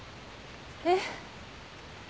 えっ？